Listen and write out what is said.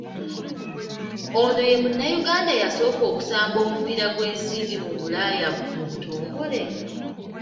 Ono ye Munnayuganda eyasooka okusamba omupiira gw’ensimbi mu Bulaaya mu butongole?